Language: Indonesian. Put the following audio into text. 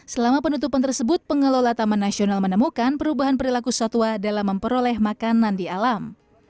selama penutupan tersebut pengelola taman nasional menemukan perubahan perilaku satwa dalam memperoleh makanan di alam